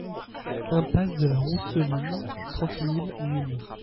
Impasse de la Rousseline, trente mille Nîmes